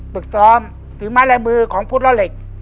ฝึกซ้อมถือไม้ลายมือของพุทธล้อเหล็ก